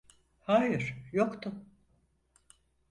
Hayır yoktu.